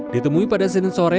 ditemui pada senin sore